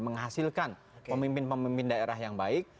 menghasilkan pemimpin pemimpin daerah yang baik